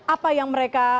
apa yang mereka